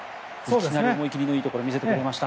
思い切りのいいところを見せてくれました。